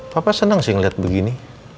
papa senang sih ngeliat begini